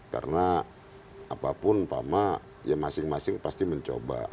karena apapun pak ma ya masing masing pasti mencoba